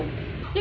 khách dùng nhiều